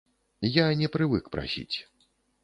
Я не прывык прасіць.